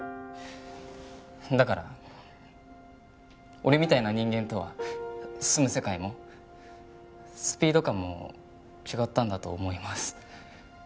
だから俺みたいな人間とは住む世界もスピード感も違ったんだと思います